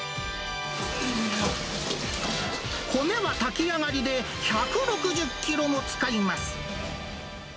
米は炊き上がりで１６０キロも使います。